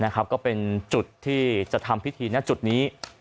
ก็เป็นจุดที่จะทำพิธีณจุดนี้